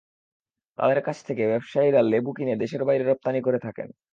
তাঁদের কাছ থেকে ব্যবসায়ীরা লেবু কিনে দেশের বাইরে রপ্তানি করে থাকেন।